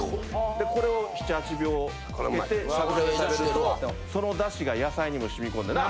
でこれを７８秒浸けてしゃぶしゃぶで食べるとその出汁が野菜にも染み込んでな？